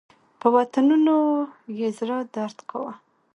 په وطنونو یې زړه درد کاوه.